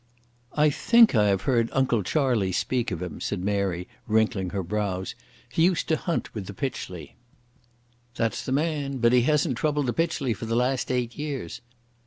"I think I have heard Uncle Charlie speak of him," said Mary, wrinkling her brows. "He used to hunt with the Pytchley." "That's the man. But he hasn't troubled the Pytchley for the last eight years.